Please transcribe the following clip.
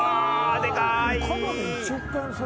でかい！